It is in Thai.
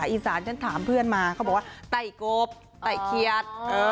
อีสานฉันถามเพื่อนมาเขาบอกว่าไต่กบไต่เขียด